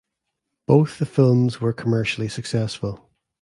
Both the films were commercially successful.